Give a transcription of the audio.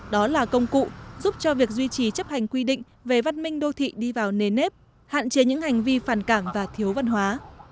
đó là công cụ giúp cho việc duy trì chấp hành quy định về văn minh đô thị đi vào nề nếp hạn chế những hành vi phản cảm và thiếu văn hóa